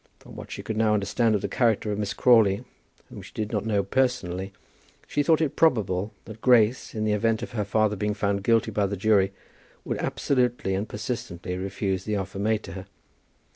From what she could now understand of the character of Miss Crawley, whom she did not know personally, she thought it probable that Grace, in the event of her father being found guilty by the jury, would absolutely and persistently refuse the offer made to her.